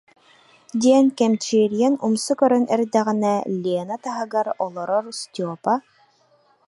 » диэн кэмчиэрийэн умса көрөн эрдэҕинэ Лена таһыгар олорор Степа: